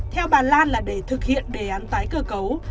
theo bà lan là để thực hiện đề án tái cơ cấu